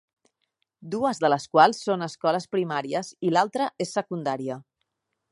Dues de les quals són escoles primàries i l'altra és secundària.